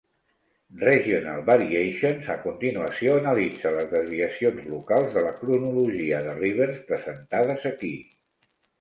'Regional variations' a continuació analitza les desviacions locals de la cronologia de Rivers, presentades aquí.